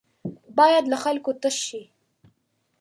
بايد له خلکو تش شي.